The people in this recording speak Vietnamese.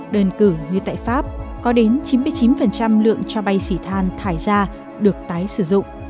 đơn cử như tại pháp có đến chín mươi chín lượng cho bay xỉ than thải ra được tái sử dụng